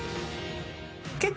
結構。